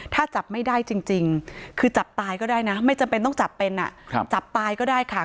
ถ้าจับไม่ได้จริงคือจับตายก็ได้นะไม่จำเป็นต้องจับเป็นจับตายก็ได้ค่ะ